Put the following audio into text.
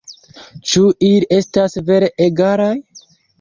Ĉu ili estas vere egalaj?